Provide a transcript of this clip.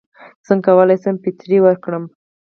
څنګه کولی شم فطرې ورکړم